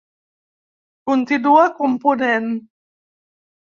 Continua component.